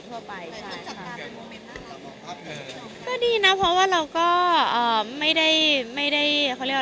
แล้วให้ต้องกำลังง่ายอยู่ในโลก